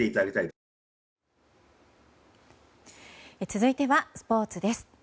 続いてはスポーツです。